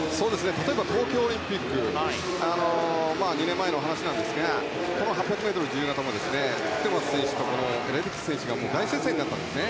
例えば東京オリンピック２年前の話なんですがこの８００ｍ自由形もティットマス選手とレデッキー選手が大接戦になったんですね。